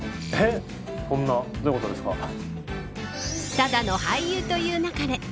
ただの俳優という勿れ。